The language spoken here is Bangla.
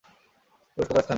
পুরুষ প্রকার স্থানিক।